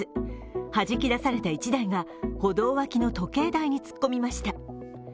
はじき出された１台が歩道脇の時計台に突っ込みました。